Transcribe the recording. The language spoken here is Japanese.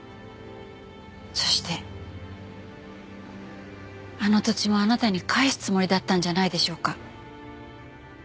そしてあの土地もあなたに返すつもりだったんじゃないでしょうか。